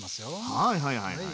はいはいはいはい。